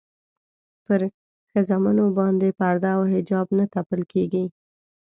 پر ښځمنو باندې پرده او حجاب نه تپل کېږي.